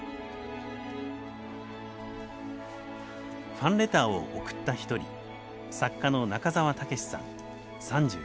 ファンレターを送った一人作家の中沢健さん３９歳。